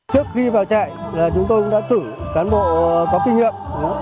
trước khi vào trại chúng tôi cũng đã cử cán bộ có kinh nghiệm